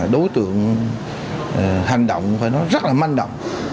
đối tượng hành động rất là manh động